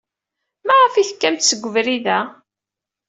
Maɣef ay tekkamt seg ubrid-a?